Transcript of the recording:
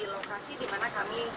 di lokasi dimana kami